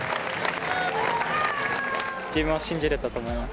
自分を信じれたと思います。